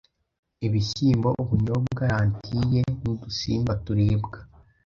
ibishyimbo, ubunyobwa, rantiye, n’udusimba turibwa